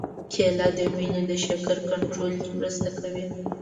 کېله د وینې د شکر کنټرول کې مرسته کوي.